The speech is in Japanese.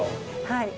はい。